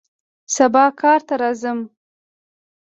سبا کار ته راځم